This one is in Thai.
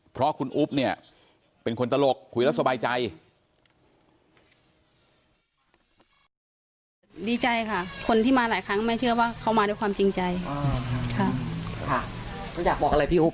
อยากบอกอะไรพี่อุ๊บไหมคะแกก็